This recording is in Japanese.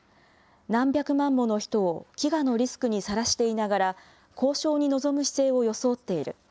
何百万もの人を飢餓のリスクにさらしていながら、交渉に臨む姿勢を装っている。